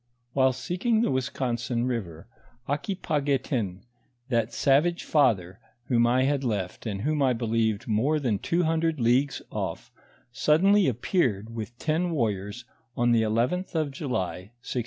"While seeking the Onisconsin river, Aquipaguetin, that savage father, whom I liad left, and whom I believed more than two hundred leagues off, suddenly appeared with ten warriors, on the 11th of July, 1680.